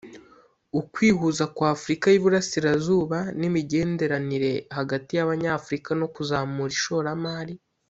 ukwihuza kwa Afurika y’Iburasirazuba n’imigenderanire hagati y’Abanyafurika no kuzamura ishoramari